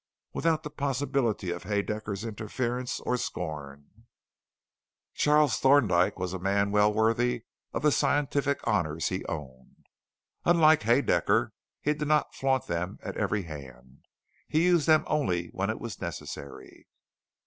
without the possibility of Haedaecker's interference or scorn. Charles Thorndyke was a man well worthy of the scientific honors he owned. Unlike Haedaecker, he did not flaunt them at every hand. He used them only when it was necessary.